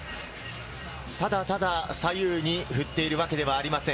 ただただ左右に振っているわけではありません。